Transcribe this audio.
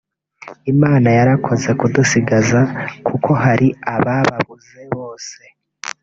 Imana yarakoze kudusigaza kuko hari abababuze bose